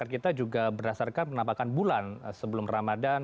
maka kita juga berdasarkan penampakan bulan sebelum ramadhan